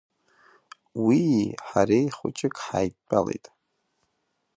Уии ҳареи хәҷык ҳаидтәалеит.